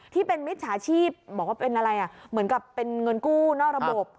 มิจฉาชีพบอกว่าเป็นอะไรอ่ะเหมือนกับเป็นเงินกู้นอกระบบ